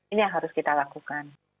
ini yang harus kita lakukan